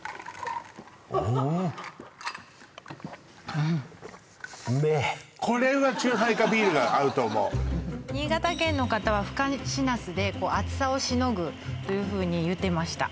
うんこれはチューハイかビールが合うと思う新潟県の方はふかしナスで暑さをしのぐというふうに言ってました